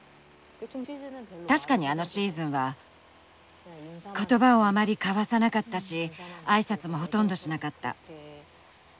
確かにあのシーズンは言葉をあまり交わさなかったし挨拶もほとんどしなかった。